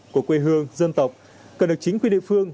của quê hương dân tộc cần được chính quyền địa phương